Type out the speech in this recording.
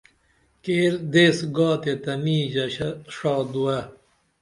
کیر دیس گا تے تنی ژشہ ڜا دووے